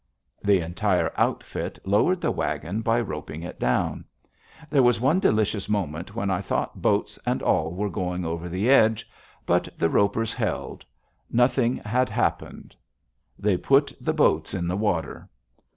_ The entire outfit lowered the wagon by roping it down. There was one delicious moment when I thought boats and all were going over the edge. But the ropes held. Nothing happened. _They put the boats in the water.